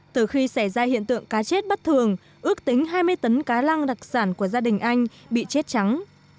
từ khi xảy ra hiện tượng cá chết bất thường ước tính hai mươi tấn cá lăng đặc sản của gia đình anh bị chết trắng